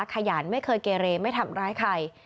ขยันไม่เคยเกเรไม่ทำร้ายใคร